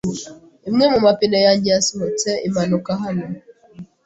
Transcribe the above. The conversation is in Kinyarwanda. Imwe mu mapine yanjye yasohotse imanuka hano.